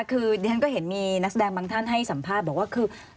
คือดิฉันก็เห็นมีนักแสดงบางท่านให้สัมภาษณ์บอกว่าคือ